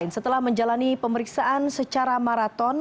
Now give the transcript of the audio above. setelah menjalani pemeriksaan secara maraton